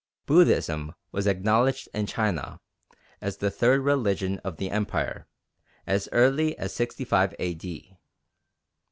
Buddhism was acknowledged in China, as the third religion of the Empire, as early as 65 A.D.